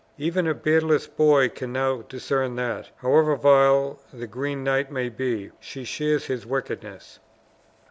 Even a beardless boy can now discern that, however vile the Green Knight may be, she shares his wickedness!"